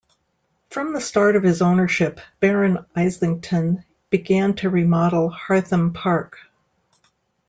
From the start of his ownership, Baron Islington began to remodel Hartham Park.